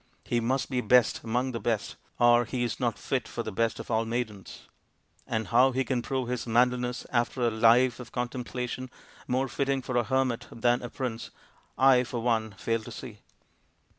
He must be best among the best or he is not fit for the best of all maidens ; and how he can prove his manliness after a life of contemplation more fitting for a hermit than a prince I, for one, fail to see."